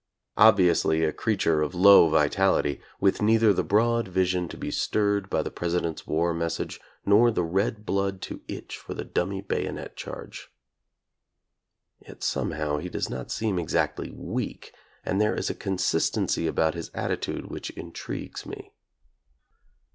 Obviously a creature of low vitality, with neither the broad vision to be stirred by the Presi dent's war message, nor the red blood to itch for the dummy bayonet charge. Yet somehow he does not seem exactly weak, and there is a con sistency about his attitude which intrigues me.